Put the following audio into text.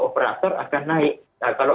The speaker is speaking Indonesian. operator akan naik kalau